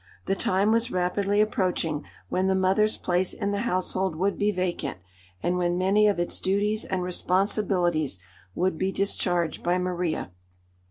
The time was rapidly approaching when the mother's place in the household would be vacant, and when many of its duties and responsibilities would be discharged by Maria.